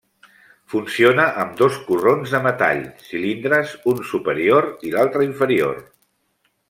Funciona amb dos corrons de metall, cilindres, un superior i l'altre inferior.